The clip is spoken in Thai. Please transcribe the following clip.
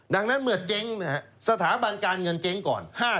ดังนั้นเมื่อเจ๊งสถาบันการเงินเจ๊งก่อน